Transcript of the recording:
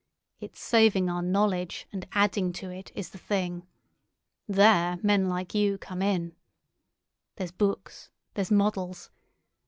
It's saving our knowledge and adding to it is the thing. There men like you come in. There's books, there's models.